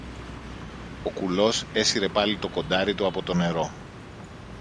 Ο κουλός έσυρε πάλι το κοντάρι του από το νερό